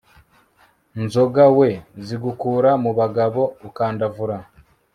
nzoga wee zigukura mu bagabo ukandavura